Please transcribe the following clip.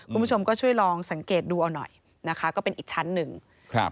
คุณผู้ชมก็ช่วยลองสังเกตดูเอาหน่อยนะคะก็เป็นอีกชั้นหนึ่งครับ